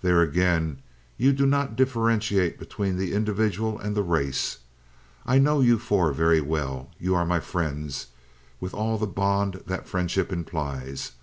There again you do not differentiate between the individual and the race. I know you four very well. You are my friends, with all the bond that friendship implies.